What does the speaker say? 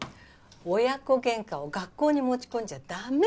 親子喧嘩を学校に持ち込んじゃ駄目！